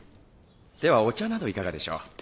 ではお茶などいかがでしょう？